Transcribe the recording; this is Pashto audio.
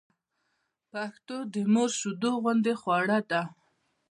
پښتو د مور شېدو غوندې خواړه ده